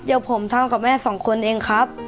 เดี๋ยวผมทำกับแม่สองคนเองครับ